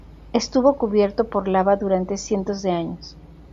Estuvo cubierto por lava durante cientos de años.